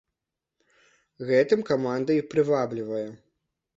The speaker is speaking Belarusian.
Гэтым каманда і прываблівае.